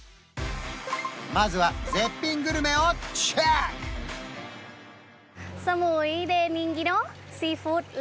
まずは絶品グルメをチェック！